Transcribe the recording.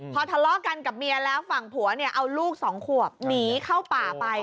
พอทะเลาะกันกับเมียแล้วฝั่งผัวเนี่ยเอาลูกสองขวบหนีเข้าป่าไป